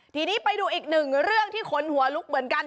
ทีนี้ไปดูอีกหนึ่งเรื่องที่ขนหัวลุกเหมือนกัน